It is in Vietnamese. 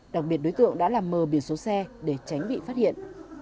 đặc biệt đối tượng đã làm mờ biển số xe để tránh bị phát hiện